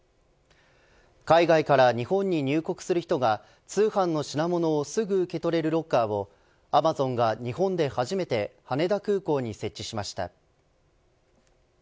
海外から日本に入国する人が通販の品物をすぐ受け取れるロッカーをアマゾンが日本で初めて羽田空港に設置しました。